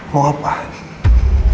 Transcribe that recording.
mau coba bunuh diri